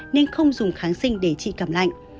nên không dùng kháng sinh để trị cảm lạnh